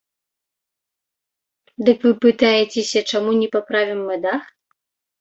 Дык вы пытаецеся, чаму не паправім мы дах?